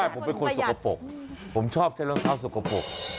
ผมเป็นคนสกปรกผมชอบใช้รองเท้าสกปรก